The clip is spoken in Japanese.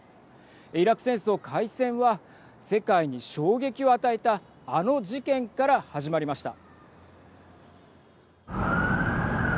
イラク戦争開戦は世界に衝撃を与えたあの事件から始まりました。